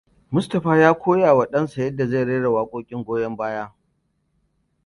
Mustapha ya koyawa ɗanda yadda zai rera waƙoƙin goyon baya.